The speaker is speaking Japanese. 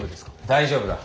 大丈夫だ。